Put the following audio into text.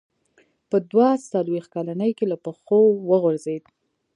په دوه څلوېښت کلنۍ کې له پښو وغورځېد.